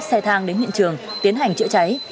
xe thang đến hiện trường tiến hành chữa cháy